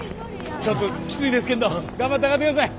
ちょっときついですけんど頑張って上がってください。